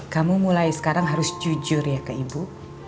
kamu mulai sekarang harus jujur ya ke ibu